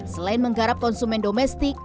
selain menggarap konsumen domestik